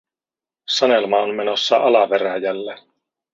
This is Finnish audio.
Sanelma on menossa alaveräjälle.